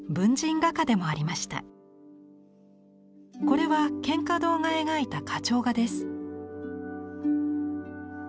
これは蒹葭堂が描いた花鳥画です。